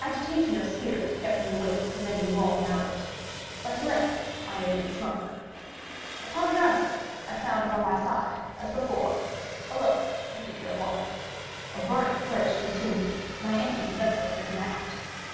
Agitation of spirit kept me awake for many long hours, but at length I again slumbered. Upon arousing, I found by my side, as before, a loaf and a pitcher of water. A burning thirst consumed me, and I emptied the vessel at a draught.